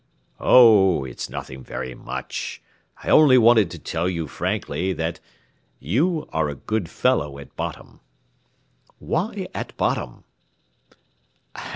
"Oh, it is nothing very much. I only wanted to tell you frankly that you are a good fellow at bottom." "Why at bottom?"